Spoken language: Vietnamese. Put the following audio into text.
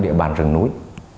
địa bàn rừng núi